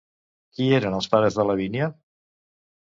Qui eren els pares de Lavínia?